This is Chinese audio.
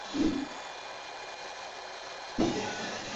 最后皇帝裁决免死。